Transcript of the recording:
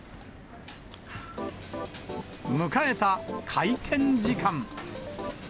迎えた開店時間。